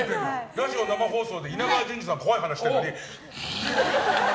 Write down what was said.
ラジオの生放送で稲川淳二さんの怖い話の時に。